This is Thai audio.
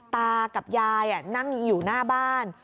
ตากับยายนั่งอยู่หน้าบ้าน